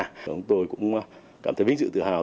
chúng tôi cũng cảm thấy vinh dự tự hào